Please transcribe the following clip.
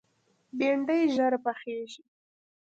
بېنډۍ ژر پخېږي